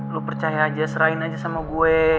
lu percaya aja serahin aja sama gue